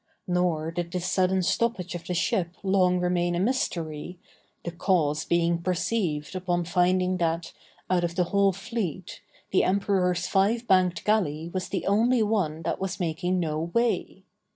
Nor did this sudden stoppage of the ship long remain a mystery, the cause being perceived upon finding that, out of the whole fleet, the emperors five banked galley was the only one that was making no way.